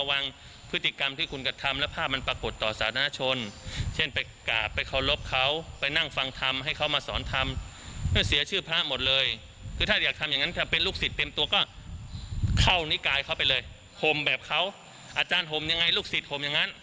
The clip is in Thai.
อาจารย์ห่มยังไงลูกศิษย์ห่มยังงั้น